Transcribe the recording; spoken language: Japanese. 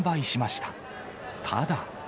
ただ。